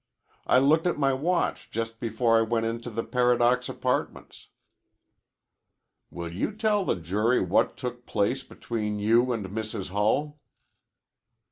I looked at my watch just before I went into the Paradox Apartments." "Will you tell the jury what took place between you and Mrs. Hull?"